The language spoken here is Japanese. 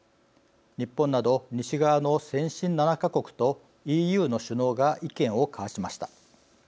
日本など西側の先進７か国とＥＵの首脳が意見を交わしました。